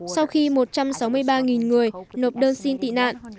sau khi một trăm sáu mươi ba người nộp đơn xin tị nạn